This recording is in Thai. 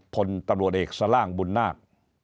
พลตำรวจเอกสล่างบุญนาค